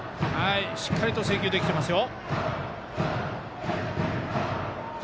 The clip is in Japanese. しっかりと制球できていますよ。